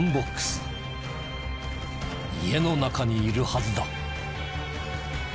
家の中にいるはずだ。